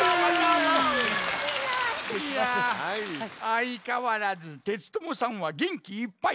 いやあいかわらずテツトモさんはげんきいっぱい！